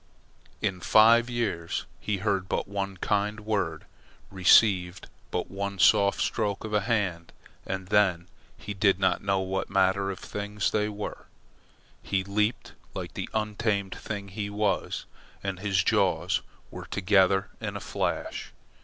In five years he heard but one kind word, received but one soft stroke of a hand, and then he did not know what manner of things they were. He leaped like the untamed thing he was, and his jaws were together in a flash.